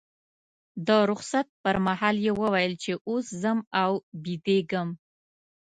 د رخصت پر مهال یې وویل چې اوس ځم او بیدېږم.